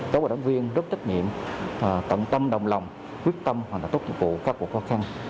các bộ đảng viên rất trách nhiệm tận tâm đồng lòng quyết tâm hoàn hảo tốt dịch vụ các cuộc khó khăn